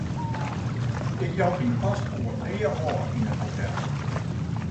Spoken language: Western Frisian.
Ik jou myn paspoart nea ôf yn in hotel.